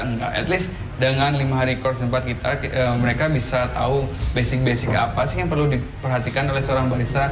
enggak at least dengan lima record sempat kita mereka bisa tahu basic basic apa sih yang perlu diperhatikan oleh seorang balita